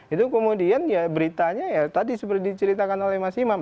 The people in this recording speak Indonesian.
itu kemudian ya beritanya ya tadi seperti diceritakan oleh mas imam